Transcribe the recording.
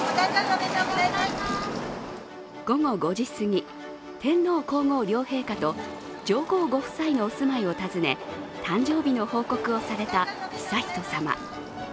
午後５時すぎ、天皇皇后両陛下と上皇ご夫妻のお住まいを訪ね誕生日の報告をされた悠仁さま。